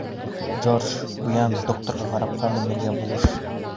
Джордж, уян, докторға карапҡа менергә булыш...